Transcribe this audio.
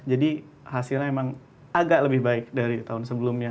jadi hasilnya emang agak lebih baik dari tahun sebelumnya